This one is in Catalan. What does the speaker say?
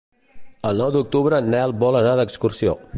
El nou d'octubre en Nel vol anar d'excursió.